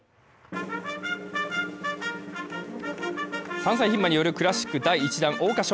３歳ひん馬によるクラシック第１弾・桜花賞。